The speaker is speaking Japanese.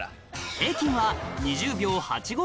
平均は２０秒８５